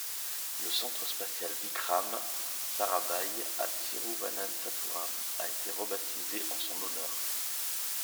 Le centre spatial Vikram Sarabhai, à Thiruvananthapuram, a été rebaptisé en son honneur.